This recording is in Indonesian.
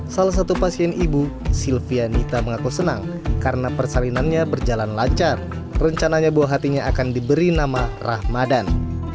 salah satu pasien ibu sylvianita mengaku senang karena persalinannya berjalan lancar rencananya buah hatinya akan diberi nama rahmadan